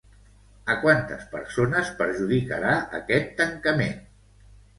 A quantes persones perjudicarà aquest tancament?